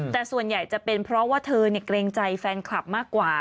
แต่ส่วนใหญ่จะเป็นเพราะว่าเธอเกรงใจแฟนคลับมากกว่า